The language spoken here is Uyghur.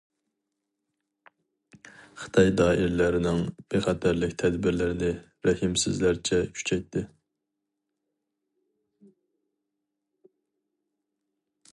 خىتاي دائىرىلەرنىڭ بىخەتەرلىك تەدبىرلىرىنى رەھىمسىزلەرچە كۈچەيتتى.